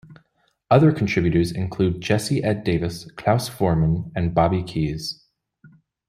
Other contributors include Jesse Ed Davis, Klaus Voormann, and Bobby Keys.